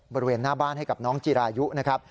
บริเวณหน้าบ้านให้กับน้องจีรายุนะครับ